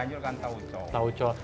cianjur kan taoco